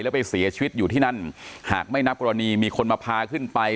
แล้วไปเสียชีวิตอยู่ที่นั่นหากไม่นับกรณีมีคนมาพาขึ้นไป